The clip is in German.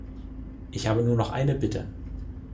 Ich habe nur noch eine Bitte.